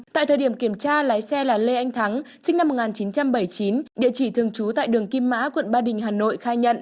tại thời điểm kiểm tra lái xe là lê anh thắng sinh năm một nghìn chín trăm bảy mươi chín địa chỉ thường trú tại đường kim mã quận ba đình hà nội khai nhận